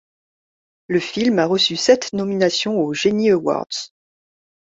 Le film a reçu sept nominations aux Genies Awards.